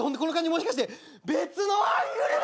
もしかして別のアングルも！？